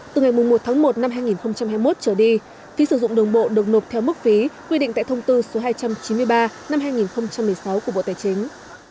từ ngày một tháng một năm hai nghìn hai mươi một trở đi phí sử dụng đường bộ được nộp theo mức phí quy định tại thông tư số hai trăm chín mươi ba năm hai nghìn một mươi sáu của bộ tài chính